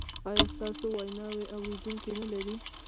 ایا ستاسو ویناوې اوریدونکي نلري؟